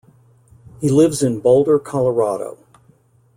He lives in Boulder, Colorado.